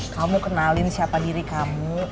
kamu kenalin siapa diri kamu